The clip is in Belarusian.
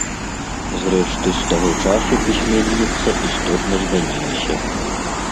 Зрэшты, з таго часу пісьменніца істотна змянілася.